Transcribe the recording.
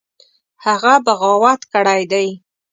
هغه بغاوت کړی دی.